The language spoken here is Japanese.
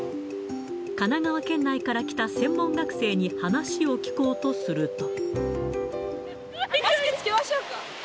神奈川県内から来た専門学生に話を聞こうとすると。